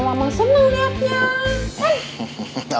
mama senang liatnya